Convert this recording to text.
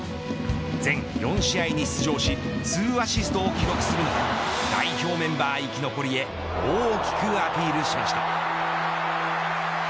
全４試合に出場し２アシストを記録するなど代表メンバー生き残りへ大きくアピールしました。